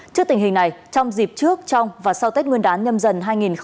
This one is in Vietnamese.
trước tình hình này trong dịp trước trong và sau tết nguyên đán nhâm dần hai nghìn hai mươi